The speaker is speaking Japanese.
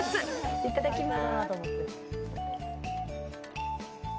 いただきます。